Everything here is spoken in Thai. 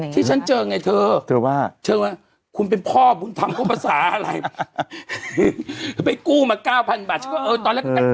ใครตามโทรเงิน